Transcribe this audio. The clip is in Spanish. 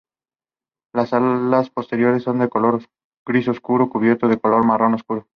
Las alas posteriores son de color gris oscuro, cubierto de color marrón más oscuro.